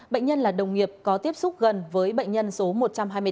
bệnh nhân là đồng nghiệp có tiếp xúc gần với bệnh nhân số một trăm hai mươi tám